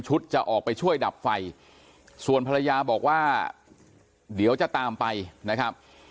จะออกไปช่วยดับไฟส่วนภรรยาบอกว่าเดี๋ยวจะตามไปนะครับ